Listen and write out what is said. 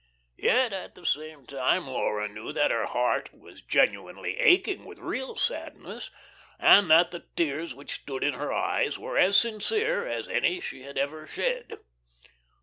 Yet, at the same time, Laura knew that her heart was genuinely aching with real sadness, and that the tears which stood in her eyes were as sincere as any she had ever shed.